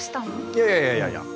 いやいやいやいやいや。